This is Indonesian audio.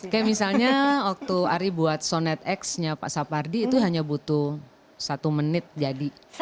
kayak misalnya waktu ari buat sonet x nya pak sapardi itu hanya butuh satu menit jadi